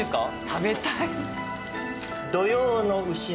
食べたい。